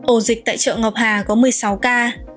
ổ dịch tại chợ ngọc hà có một mươi sáu ca